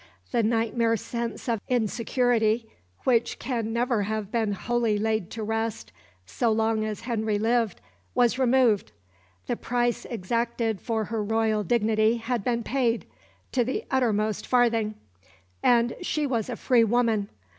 The nightmare sense of insecurity, which can never have been wholly laid to rest so long as Henry lived, was removed; the price exacted for her royal dignity had been paid, to the uttermost farthing; and she was a free woman.